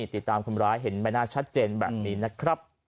ติดตามคนร้ายเห็นใบหน้าชัดเจนแบบนี้นะครับ